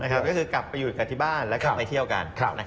ก็คือกลับไปอยู่กันที่บ้านแล้วก็ไปเที่ยวกัน